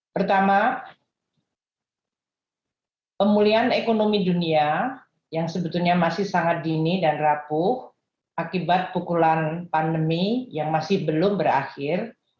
pertama pemulihan ekonomi dunia yang sebetulnya masih sangat dini dan rapuh akibat pukulan pandemi yang masih belum berakhir